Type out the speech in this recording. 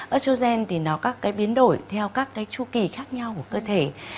estrogen thì nó là các biến đổi theo các chu kỳ khác nhau của cơ thể